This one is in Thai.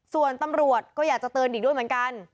ส่วนตำรวจก็อยากจะเตือนอีกด้วยเหมือนกัน